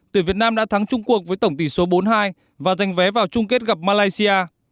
tuyển việt nam đã thắng trung quốc với tổng tỷ số bốn mươi hai và giành vé vào chung kết gặp malaysia